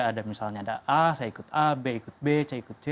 ada misalnya ada a saya ikut a b ikut b c ikut c